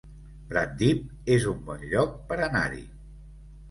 Pratdip es un bon lloc per anar-hi